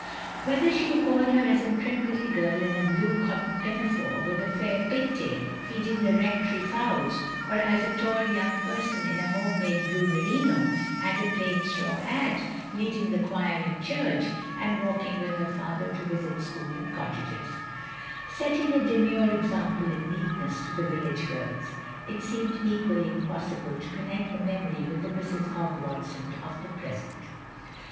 Whether she recalled her as a prim little girl in a blue cotton pinafore, with a fair pigtail, — feeding the Rectory fowls; or as a tall young person in a home made blue merino, and a plain straw hat, leading the choir in church, and walking with her father to visit school and cottages; setting a demure example in neatness to the village girls, — ^it seemed equally impossible to connect the memory with the Mrs. Hogg Watson of the present.